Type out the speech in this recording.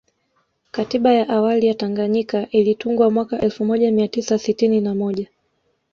Katiba ya awali ya Tanganyika ilitungwa mwaka elfu moja mia tisa sitini na moja